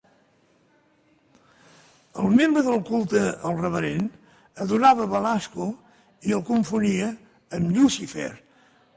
El membre del culte "el reverend" adorava Belasco i el confonia amb Llucifer.